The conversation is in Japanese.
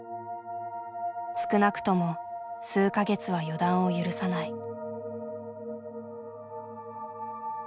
少なくとも数か月は予断を許さない。